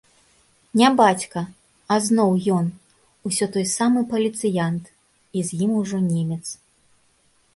Не бацька, а зноў ён, усё той самы паліцыянт, і з ім ужо немец.